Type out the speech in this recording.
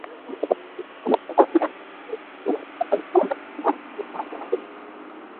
ڀولي ھي جو مارواڙي ٻوليا وارو ني ھمج